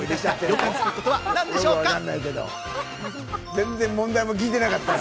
全然問題も聞いてなかったよ。